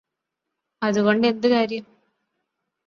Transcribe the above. അതുകൊണ്ട് എന്തുകാര്യം